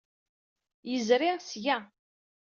Yezri seg-a.